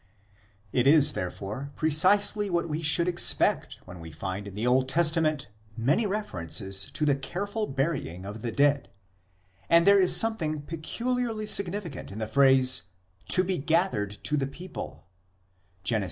It is, therefore, precisely what we should expect when we find in the Old Testament many references to the careful burying of the dead ; and there is something peculiarly significant in the phrase "to be gathered to the people " (Gen. xxv.